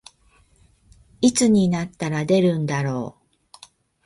いつになったら出るんだろう